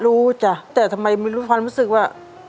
รู้จ๊ะแต่ทำไมมีความรู้สึกว่า